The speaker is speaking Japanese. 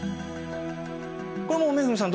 これもう恵さん